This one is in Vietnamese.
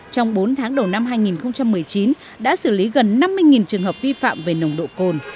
trong bốn tháng đầu năm hai nghìn một mươi chín đã xử lý gần năm mươi trường hợp vi phạm về nồng độ cồn